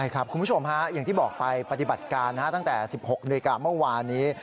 คุณผู้ชมฮะอย่างที่บอกไปปฏิบัติการตั้งแต่๑๖นาฬิกาเมื่อวานนี้